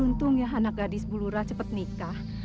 untung ya anak gadis bulura cepat nikah